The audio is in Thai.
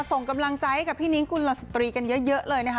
ส่งกำลังใจให้กับพี่นิ้งกุลสตรีกันเยอะเลยนะคะ